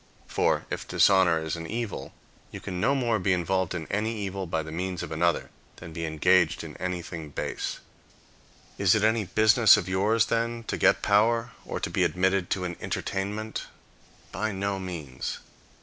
For, if dishonor is an evil, you can no more be involved in any evil by the means of another, than be engaged in anything base. Is it any business of yours, then, to get power, or to be admitted to an entertainment? By no means.